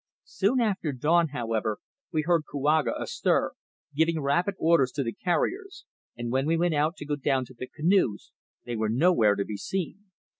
Soon after dawn, however, we heard Kouaga astir, giving rapid orders to the carriers, and when we went out to go down to the canoes they were nowhere to be seen.